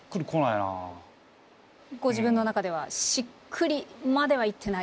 ご自分の中ではしっくりまではいってない？